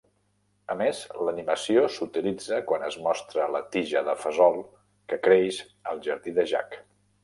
A més, l'animació s'utilitza quan es mostra la tija de fesol que creix al jardí de Jack.